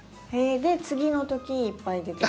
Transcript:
で次のときいっぱい出てくる？